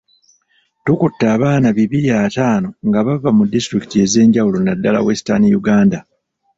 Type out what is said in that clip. Tukutte abaana bibiri ataano nga bava mu disitulikiti ez'enjawulo naddala Western Uganda.